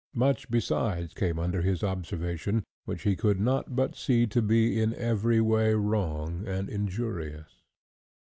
Much besides came under his observation, which he could not but see to be in every way wrong and injurious.